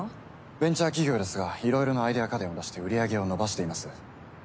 ベンチャー企業ですがいろいろなアイデア家電を出して売り上げを伸ばしています。